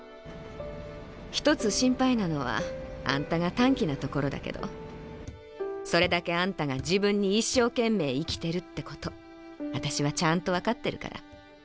「ひとつ心配なのはあんたが短気なところだけどそれだけあんたが自分に一生懸命生きてるってことあたしはちゃんとわかってるから。